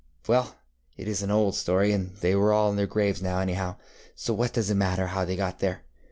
Well, it is an old story, and they are all in their graves now anyhow, so what does it matter how they got there.